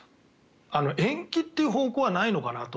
延期という方向はないのかなと。